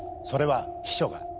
それは秘書が。